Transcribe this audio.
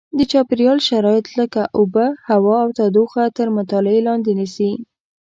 د چاپېریال شرایط لکه اوبه هوا او تودوخه تر مطالعې لاندې نیسي.